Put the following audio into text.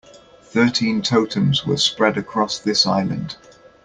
Thirteen totems were spread across this island.